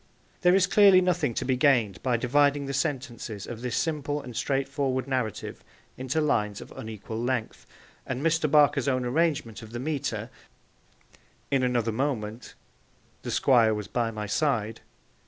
There is clearly nothing to be gained by dividing the sentences of this simple and straightforward narrative into lines of unequal length, and Mr. Barker's own arrangement of the metre, In another moment, The Squire was by my side.